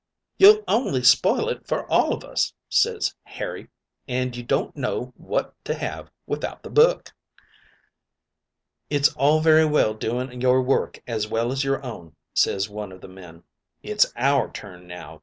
"'You'll only spoil it for all of us,' ses Harry, 'and you don't know what to have without the book.' "'It's all very well doing your work as well as our own,' ses one of the men. 'It's our turn now.